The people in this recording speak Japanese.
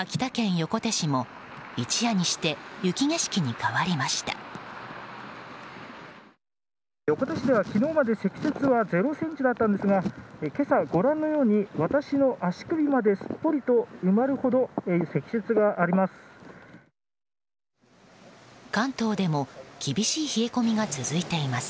横手市では昨日まで積雪は０ｃｍだったんですが今朝、ご覧のように私の足首まですっぽりと埋まるほど積雪があります。